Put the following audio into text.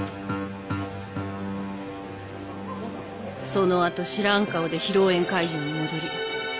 その後知らん顔で披露宴会場に戻り二次会